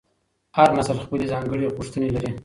هر نسل خپلې ځانګړې غوښتنې لري.